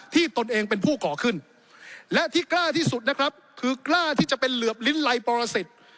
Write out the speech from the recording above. ตนเองเป็นผู้ก่อขึ้นและที่กล้าที่สุดนะครับคือกล้าที่จะเป็นเหลือบลิ้นไลปรสิทธิ์